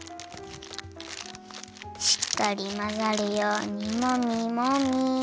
しっかりまざるようにもみもみ。